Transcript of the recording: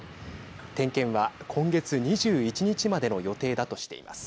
点検は今月２１日までの予定だとしています。